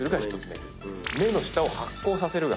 目の下を発光させるが２つ目。